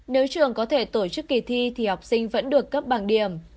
nếu trường có thể tổ chức kỳ thi thì học sinh vẫn được cấp bằng điểm